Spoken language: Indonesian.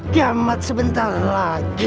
kiamat sebentar lagi